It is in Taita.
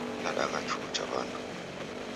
Nadagha chuo cha w'andu